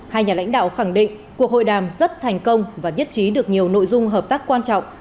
hai nhà lãnh đạo khẳng định cuộc hội đàm rất thành công và nhất trí được nhiều nội dung hợp tác quan trọng